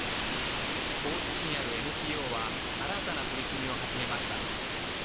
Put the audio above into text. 大津市にあるＮＰＯは、新たな取り組みを始めました。